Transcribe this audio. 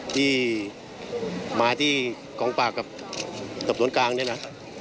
ที่มาที่กองปราบกับสอบสวนกลางเนี่ยนะ